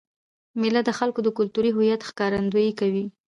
مېله د خلکو د کلتوري هویت ښکارندويي کوي.